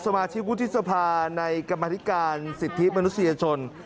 สมาชิกวุฒิสภาในกรรมธิการสิทธิมนุษยชน